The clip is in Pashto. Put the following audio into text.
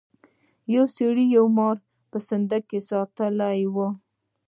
یو سړي یو مار په صندوق کې ساتلی و.